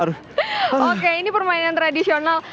oke ini permainan tradisional